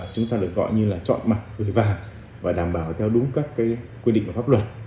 chúng ta được gọi như là chọn mặt gửi vàng và đảm bảo theo đúng các quy định của pháp luật